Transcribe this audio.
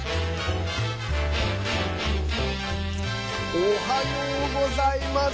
おはようございます。